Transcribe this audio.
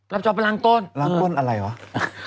รับจอบล้างก้นล้างก้นอะไรหรอ